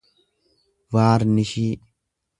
vaarnishii